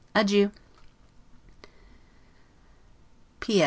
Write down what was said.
Adieu! P. S.